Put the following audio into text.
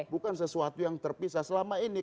bukan sesuatu yang terpisah selama ini